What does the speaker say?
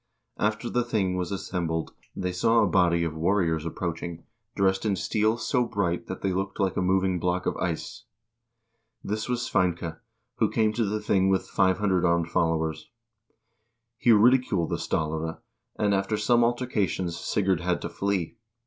After the thing was assembled, they saw a body of warriors approaching, dressed in steel so bright that they looked like a moving block of ice.1 This was Sveinke, who came to the thing with 500 armed followers. He ridiculed the stallare, and after some altercations, Sigurd had to flee.